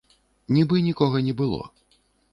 Нібы нікога не было.